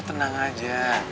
lo tenang aja